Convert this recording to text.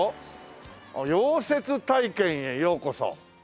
「溶接体験へようこそ！！」